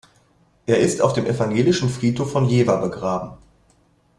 Er ist auf dem evangelischen Friedhof von Jever begraben.